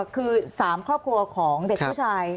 คือ๓ครอบครัวของเด็กผู้ชาย